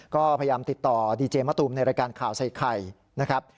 ก็พยายามติดต่อดีเจมะตูมในรายการข่าวใส่ไข่นะครับ